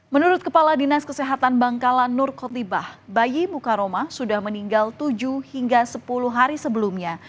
menurut kepala dinas kesehatan bangkalan nur khotibah bayi mukaroma sudah meninggal tujuh hingga sepuluh hari sebelumnya